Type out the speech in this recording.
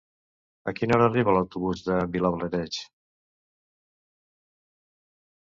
A quina hora arriba l'autobús de Vilablareix?